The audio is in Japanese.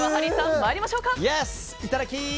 いただき！